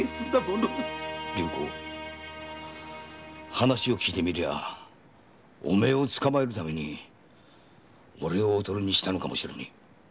龍虎話を聞いてみりゃお前を捕まえるためにおれをオトリにしたのかもしれねえ。